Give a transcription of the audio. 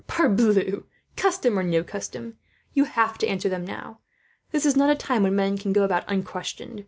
"Parbleu, custom or no custom, you have to answer them, now. This is not a time when men can go about unquestioned.